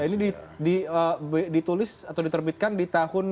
ini ditulis atau diterbitkan di tahun